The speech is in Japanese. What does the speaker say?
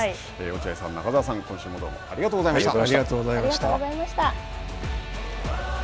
落合さん、中澤さん、今週も、どうもありがとうございました。